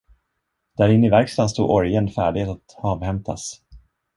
Där inne i verkstan stod orgeln färdig att avhämtas.